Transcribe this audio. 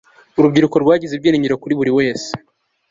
Urubyiruko rwagize ibyiringiro kuri buriwese